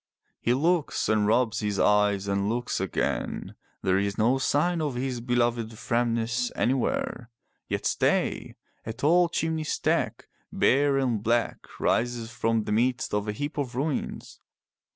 He looks and rubs his eyes and looks again. There is no sign of his beloved Framnas anywhere. Yet stay! A tall chimney stack, bare and black, rises from the midst of a heap of ruins.